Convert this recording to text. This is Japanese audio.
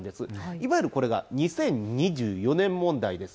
いわゆるこれが２０２４年問題です。